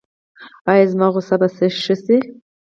ایا زما غوسه به ښه شي؟